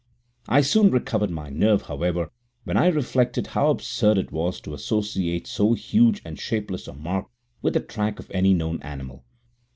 I soon recovered my nerve, however, when I reflected how absurd it was to associate so huge and shapeless a mark with the track of any known animal.